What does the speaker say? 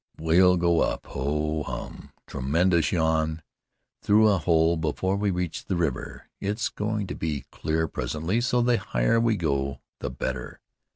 "We'll go up ho, hum!" tremendous yawn "through a hole before we reach the river. It's going to be clear presently, so the higher we go the better."